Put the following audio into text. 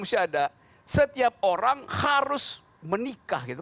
setiap orang harus menikah